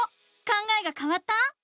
考えがかわった？